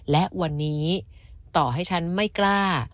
และวันนี้ต่อให้ฉันไม่กล้า